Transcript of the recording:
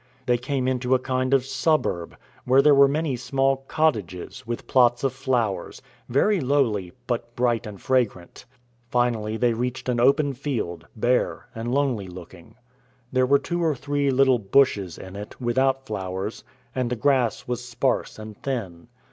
They came into a kind of suburb, where there were many small cottages, with plots of flowers, very lowly, but bright and fragrant. Finally they reached an open field, bare and lonely looking. There were two or three little bushes in it, without flowers, and the grass was sparse and thin.